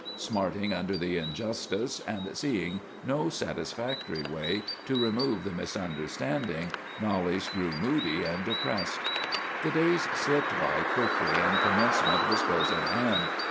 Smarting under the injustice, and seeing no satisfactory way to remove the misunderstanding, Knollys grew moody and depressed. "The days slipped by quickly, and Commencement was close at hand.